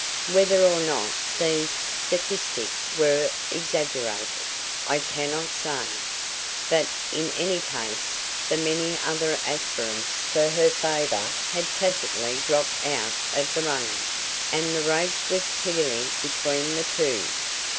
Whether or not these statistics were exaggerated, I cannot say, but in any case the many other aspirants for her favor had tacitly dropped out of the running, and the race was clearly between the two.